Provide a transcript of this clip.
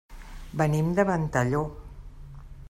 Venim de Ventalló.